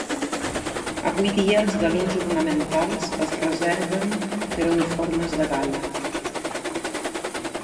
Avui dia els galons ornamentals es reserven per a uniformes de gala.